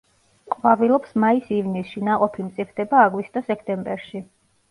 ყვავილობს მაის-ივნისში, ნაყოფი მწიფდება აგვისტო-სექტემბერში.